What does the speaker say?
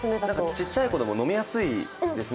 ちっちゃい子でも飲みやすいですね